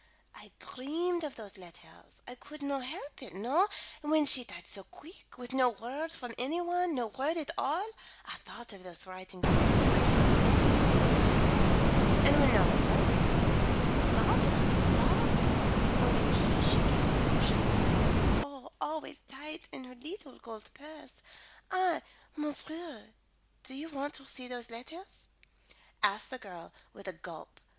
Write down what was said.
I dreamed of those letters I could not help it, no; and when she died so quick with no word for any one, no word at all, I thought of those writings so secret, so of the heart, and when no one noticed or thought about this box, or or the key she kept shut tight, oh, always tight in her leetle gold purse, I Monsieur, do you want to see those letters?" asked the girl, with a gulp.